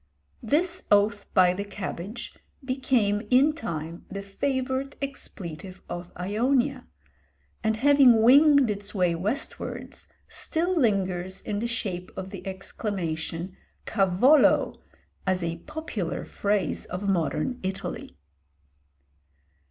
This oath by the cabbage became in time the favourite expletive of Ionia, and having winged its way westwards, still lingers in the shape of the exclamation Cavolo! as a popular phrase of modern Italy.